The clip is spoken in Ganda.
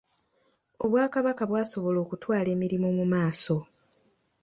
Obwakabaka bwasobola okutwala emirimu mu maaso